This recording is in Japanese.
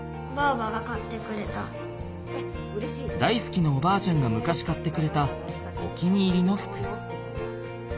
大すきなおばあちゃんが昔買ってくれたお気に入りの服。